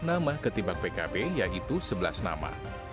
nama ketimbang pkb yaitu sebelas nama